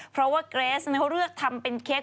เพราะว่าเกรสเขาเลือกทำเป็นเค้ก